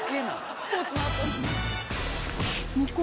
スポーツの後に。